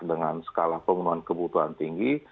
dengan skala pengumuman kebutuhan tinggi